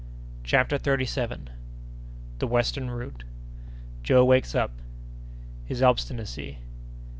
CHAPTER THIRTY SEVENTH. The Western Route.—Joe wakes up.—His Obstinacy.